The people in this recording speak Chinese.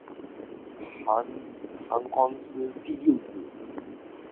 韩匡嗣第六子。